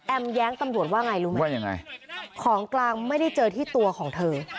แอ้มแย้งตำรวจว่าไงรู้ไหมของกลางไม่ได้เจอที่ตัวของเธอ